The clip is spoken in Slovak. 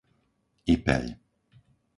Ipeľ